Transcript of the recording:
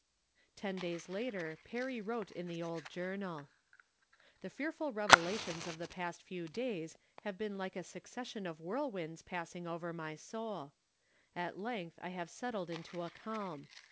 Ten days later Perry wrote in the old jour nal: The fearful revelations of the past few days have been lite a succession of whirlwinds passing over my soul. At length I have settled into a calm.